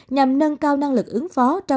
nhằm nâng cao năng lực ứng phó